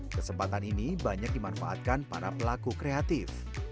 kesempatan ini banyak dimanfaatkan para pelaku kreatif